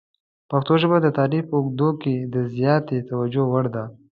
پښتو ژبه د تاریخ په اوږدو کې د زیاتې توجه وړ ده.